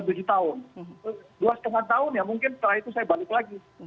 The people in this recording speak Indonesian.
sekarang juga orang biasa maksudnya